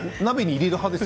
鍋に入れる派です